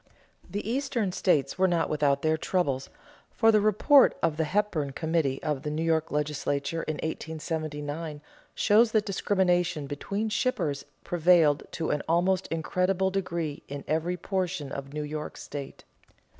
The Eastern states were not without their troubles, for the report of the Hepburn Committee of the New York legislature in 1879 shows that discrimination between shippers prevailed to an almost incredible degree in every portion of New York state.